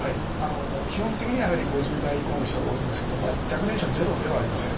基本的にはやはり５０代以降の人が多いんですけども若年者ゼロではありません。